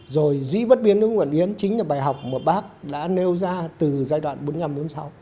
rồi dĩ bất biến ứng vạn biến chính là bài học mà bác đã nêu ra từ giai đoạn bốn mươi năm bốn mươi sáu